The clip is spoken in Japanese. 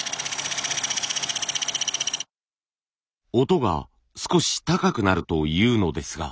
音が少し高くなるというのですが。